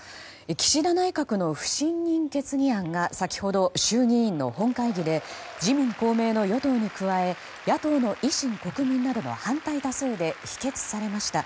岸田内閣の不信任決議案が先ほど衆議院の本会議で自民・公明の与党に加え野党の維新、国民などの反対多数で否決されました。